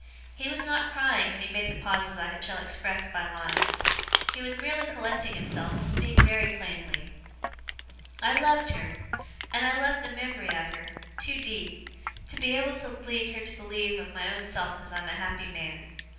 He was not crying when he made the pauses I shall express by lines. He was merely collecting himself to speak very plainly. 'I loved her and I love the mem'ry of her too deep to be able to lead her to believe of my own self as I'm a happy man.